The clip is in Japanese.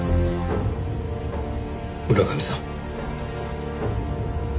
村上さん。